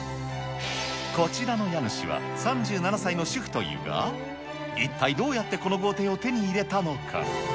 こちらの家主は３７歳の主婦というが、一体どうやってこの豪邸を手に入れたのか。